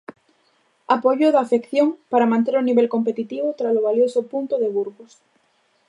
Apoio da afección para manter o nivel competitivo tralo valioso punto de Burgos.